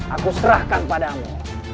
aku serahkan padamu